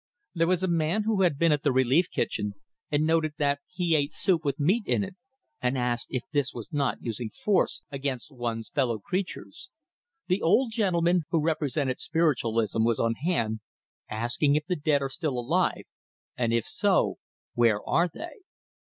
There was a man who had been at the relief kitchen, and noted that he ate soup with meat in it, and asked if this was not using force against one's fellow creatures. The old gentleman who represented spiritualism was on hand, asking if the dead are still alive, and if so, where are they?